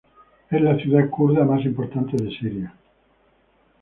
Es la ciudad kurda más importante de Siria.